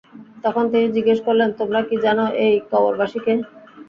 তখন তিনি জিজ্ঞেস করলেন, তোমরা কি জান, এই কবরবাসী কে?